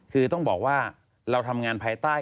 คือต้องบอกว่าเราทำงานภายใต้